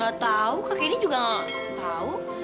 gak tau kak kini juga gak tau